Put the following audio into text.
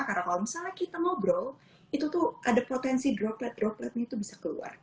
karena kalau misalnya kita ngobrol itu tuh ada potensi droplet dropletnya itu bisa keluar